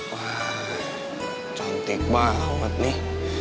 wah cantik banget nih